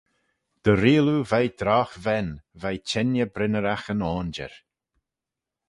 Dy reayll oo veih drogh-ven, veih chengey brynneragh yn oainjyr.